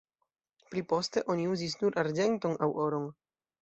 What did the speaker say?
Pli poste oni uzis nur arĝenton aŭ oron.